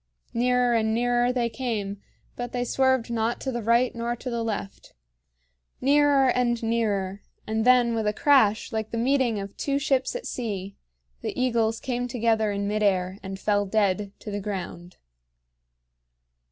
Nearer and nearer they came, but they swerved not to the right nor to the left. Nearer and nearer and then with a crash like the meeting of two ships at sea, the eagles came together in mid air and fell dead to the ground.